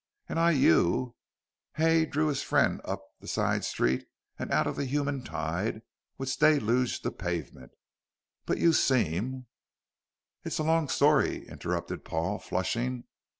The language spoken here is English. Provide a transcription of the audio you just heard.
"And I you." Hay drew his friend up the side street and out of the human tide which deluged the pavement. "But you seem " "It's a long story," interrupted Paul flushing.